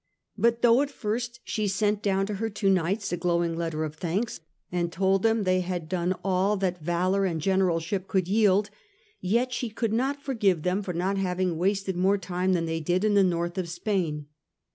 But though at first she sent down to her two knights a glowing letter of thanks, and told them they had done all that valour and generalship could yield, yet she could not forgive them for not having wasted more time than they did in the north of Spain.